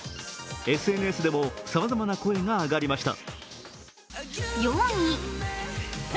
ＳＮＳでもさまざまな声が上がりました。